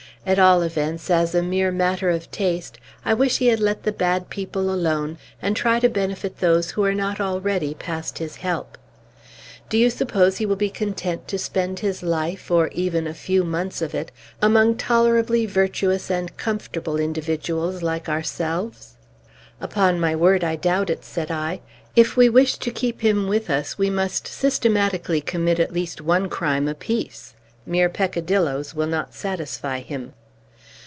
At all events, as a mere matter of taste, I wish he would let the bad people alone, and try to benefit those who are not already past his help. Do you suppose he will be content to spend his life, or even a few months of it, among tolerably virtuous and comfortable individuals like ourselves?" "Upon my word, I doubt it," said I. "If we wish to keep him with us, we must systematically commit at least one crime apiece! Mere peccadillos will not satisfy him."